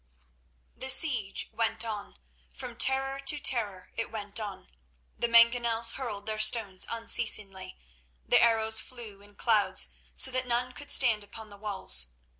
The siege went on; from terror to terror it went on. The mangonels hurled their stones unceasingly, the arrows flew in clouds so that none could stand upon the walls.